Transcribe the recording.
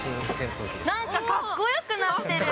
なんかかっこよくなってる。